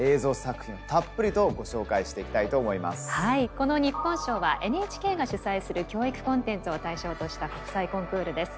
この日本賞はＮＨＫが主催する教育コンテンツを対象とした国際コンクールです。